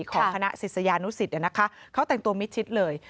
ของคณะศิษยานุสิตเขาแต่งตัวมิดชิดเลย